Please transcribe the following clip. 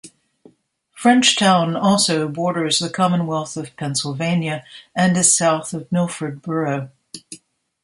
Frenchtown also borders the Commonwealth of Pennsylvania and is south of Milford borough.